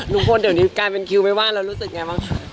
ลุงพลเดี๋ยวนี้กลายเป็นคิวไม่ว่าแล้วรู้สึกไงบ้างคะ